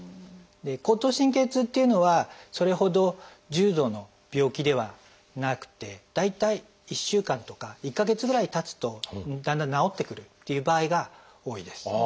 後頭神経痛っていうのはそれほど重度の病気ではなくて大体１週間とか１か月ぐらいたつとだんだん治ってくるっていう場合が多いです。